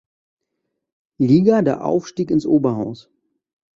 Liga der Aufstieg ins Oberhaus.